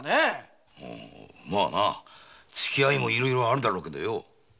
つきあいもいろいろあるだろうけどよ